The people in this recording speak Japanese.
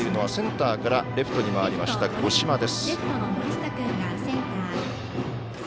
センターからレフトに回りました五島です。